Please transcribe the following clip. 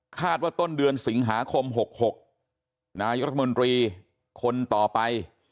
ว่าต้นเดือนสิงหาคม๖๖นายรัฐมนตรีคนต่อไป